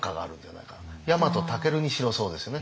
ヤマトタケルにしろそうですよね